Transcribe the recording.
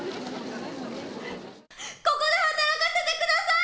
ここで働かせてください。